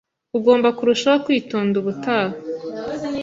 Ugomba kurushaho kwitonda ubutaha.